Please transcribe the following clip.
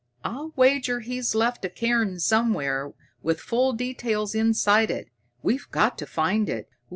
I'll wager he's left a cairn somewhere with full details inside it. We've got to find it.